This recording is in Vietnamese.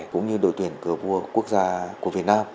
cũng như đội tuyển cờ vua quốc gia của việt nam